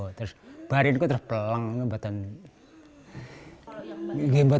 setelah itu saya kembali ke rumah